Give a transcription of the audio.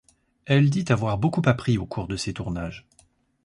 Elle dit avoir beaucoup appris au cours de ses tournages.